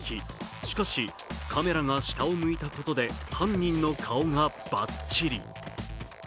しかし、カメラが下を向いたことで犯人の顔がばっちり。